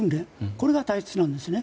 これが大切なんですね。